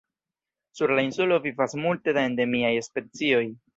Sur la insulo vivas multe da endemiaj specioj.